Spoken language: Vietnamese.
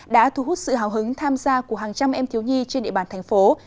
đã thu hút sự hào hứng tham gia của hàng trăm em thiếu nhi trên địa bàn thành phố